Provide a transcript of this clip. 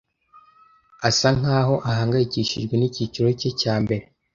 Asa nkaho ahangayikishijwe nicyiciro cye cya mbere.